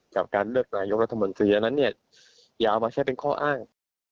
จะเอามาใช้เป็นข้ออ้าง